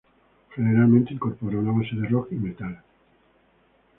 Generalmente incorpora una base de rock y metal.